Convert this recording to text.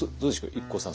ＩＫＫＯさん。